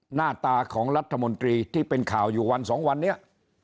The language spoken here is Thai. หน้าตาของรัฐมนตรีที่เป็นข่าวอยู่วันสองวันนี้